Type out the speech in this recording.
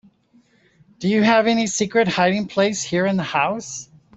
Do you have any secret hiding place here in the house?